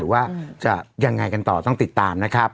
ว่าจะยังไงกันต่อต้องติดตามนะครับ